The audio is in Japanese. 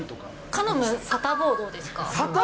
カノム・サタボー、どうですか？